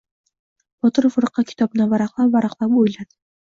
Botir firqa kitobni varaqlab-varaqlab o‘yladi.